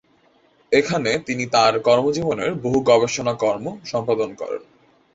এখানে তিনি তাঁর কর্মজীবনের বহু গবেষণাকর্ম সম্পাদন করেন।